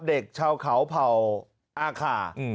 เด็กชาวเขาเผ่าอาคา